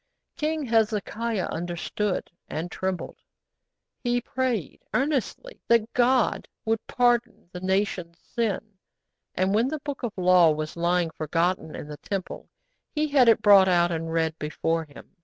King Hezekiah understood and trembled; he prayed earnestly that God would pardon the nation's sin, and when the Book of the Law was lying forgotten in the Temple he had it brought out and read before him.